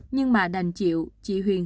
nhưng mà đành chịu chị huyền